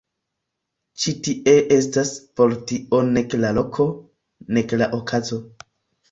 Ĉi tie estas por tio nek la loko, nek la okazo.